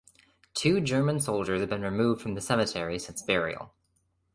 Two German soldiers have been removed from the cemetery since burial.